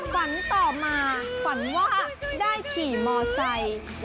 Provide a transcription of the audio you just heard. ฝันต่อมาฝันว่าได้ขี่มอไซค์